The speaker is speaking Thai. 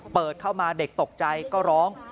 เปิดเข้ามาเด็กตกใจก็ร้อง